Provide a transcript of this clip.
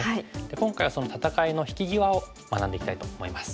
今回はその戦いの引き際を学んでいきたいと思います。